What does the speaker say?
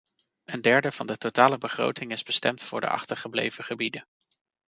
Een derde van de totale begroting is bestemd voor de achtergebleven gebieden.